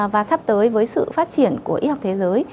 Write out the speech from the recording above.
và sắp tới với sự phát triển của y học thế giới